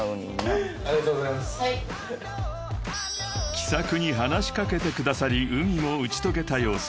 ［気さくに話し掛けてくださりＵＭＩも打ち解けた様子］